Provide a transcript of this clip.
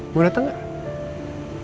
mau datang gak